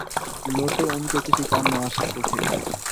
لوٹے ان کے کسی کام نہ آ سکتے تھے۔